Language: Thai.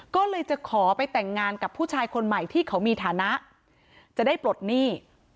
ก็เลยจะขอไปแต่งงานกับผู้ชายคนใหม่ที่เขามีฐานะจะได้ปลดหนี้